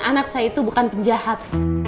anak saya itu bukan penjahat